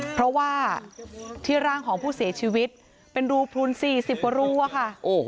เพราะว่าที่ร่างของผู้เสียชีวิตเป็นรูพลุน๔๐กว่ารูอะค่ะ